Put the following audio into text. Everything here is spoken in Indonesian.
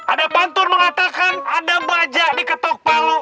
ada pantun mengatakan ada bajak di ketok palu